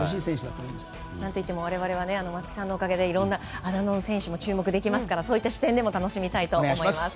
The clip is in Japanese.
何といっても我々は松木さんのおかげでいろいろな選手に注目できますからそういった視点でも楽しみたいと思います。